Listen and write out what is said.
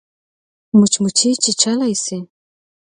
مچمچۍ چیچلای شي